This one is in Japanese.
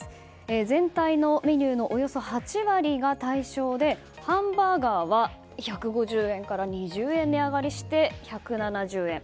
全体のメニューのおよそ８割が対象でハンバーガーは１５０円から２０円値上がりして１７０円。